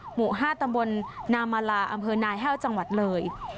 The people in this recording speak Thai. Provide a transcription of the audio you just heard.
หมู่๕ตำรวจนามาราอนาแฮลจังหวัดเลย